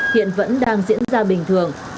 hiện vẫn đang diễn ra bình thường